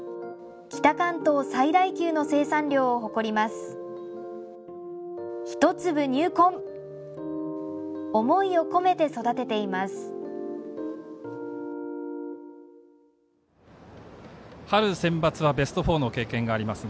北関東最大級の生産量を誇ります。